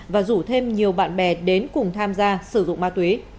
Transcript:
và rủ thêm nhiều bạn bè đến cùng tham gia sử dụng ma túy